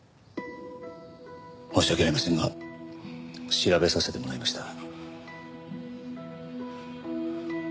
申し訳ありませんが調べさせてもらいました。